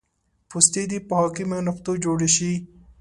پوستې دې په حاکمو نقطو جوړې شي